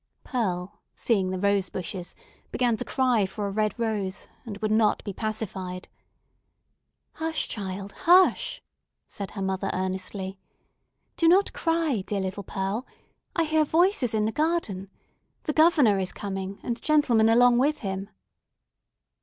Pearl, seeing the rose bushes, began to cry for a red rose, and would not be pacified. "Hush, child—hush!" said her mother, earnestly. "Do not cry, dear little Pearl! I hear voices in the garden. The Governor is coming, and gentlemen along with him."